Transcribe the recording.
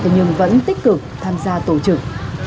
nhưng vẫn tích cực tham gia tổ trực